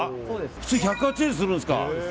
普通は１８０円するんですか。